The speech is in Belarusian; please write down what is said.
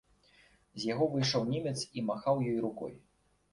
З яго выйшаў немец і махаў ёй рукой.